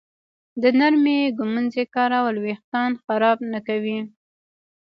د نرمې ږمنځې کارول وېښتان خراب نه کوي.